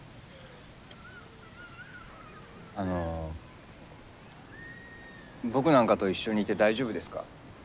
あの僕なんかと一緒にいて大丈夫ですか？